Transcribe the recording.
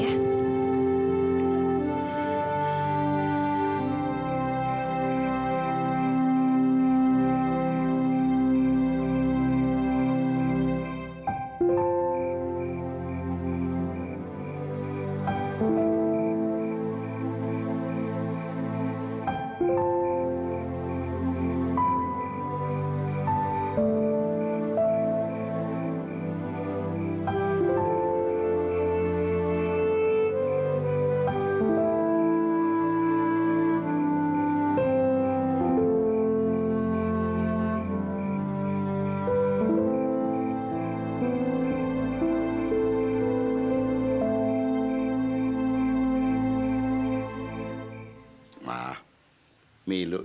iya kamu setan dirimu disini ya